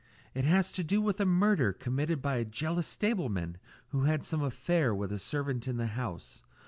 It has to do with a murder committed by a jealous stableman who had some affair with a servant in the house.